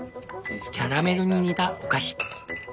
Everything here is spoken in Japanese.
キャラメルに似たお菓子。